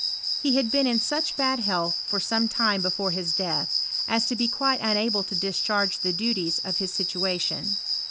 He had been ia such bad health for some time before his death, as to be quite unable to discharge the duties of his situation.